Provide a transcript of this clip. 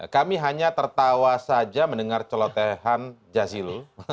kami hanya tertawa saja mendengar celotehan jazilul